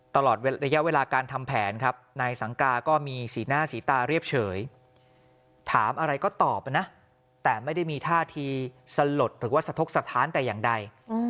ตลอดระยะเวลาการทำแผนครับนายสังกาก็มีสีหน้าสีตาเรียบเฉยถามอะไรก็ตอบนะแต่ไม่ได้มีท่าทีสลดหรือว่าสะทกสถานแต่อย่างใด